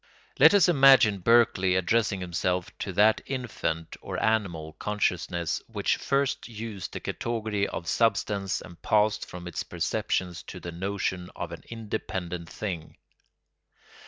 Let us imagine Berkeley addressing himself to that infant or animal consciousness which first used the category of substance and passed from its perceptions to the notion of an independent thing.